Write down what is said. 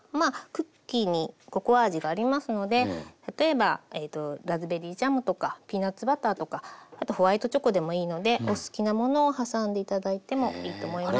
クッキーにココア味がありますので例えばラズベリージャムとかピーナツバターとかあとホワイトチョコでもいいのでお好きなものを挟んで頂いてもいいと思います。